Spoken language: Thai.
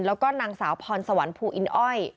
แล้วก็นางสาวพรสวรรค์ภูอินอ้อย